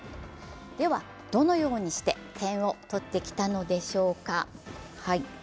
では、どのようにして点を取ってきたのでしょうか。